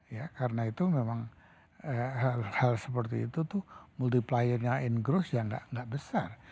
ya karena itu memang hal hal seperti itu tuh multipliernya in growth yang nggak besar